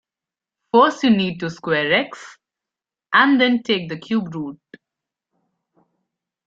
First you need to square x, and then take the cube root.